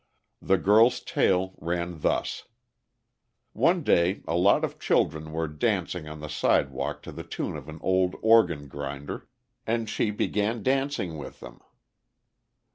The girl's tale ran thus: one day a lot of children were dancing on the sidewalk to the tune of an old organ grinder, and she began dancing with them.